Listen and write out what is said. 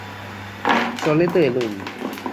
চলে তো এলুম।